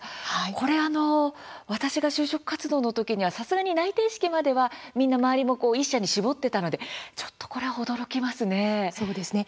これ、私が就職活動の時にはさすがに内定式まではみんな周りも１社に絞っていたのでちょっとこれは驚きますね。